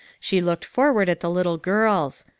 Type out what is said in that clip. She looked forward at the little girls.